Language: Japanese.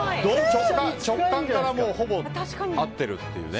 直感からほぼ合ってるっていうね。